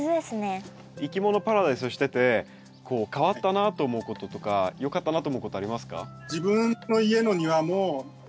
いきものパラダイスをしててこう変わったなと思うこととかよかったなと思うことありますか？